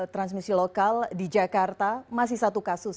transmisi lokal di jakarta masih satu kasus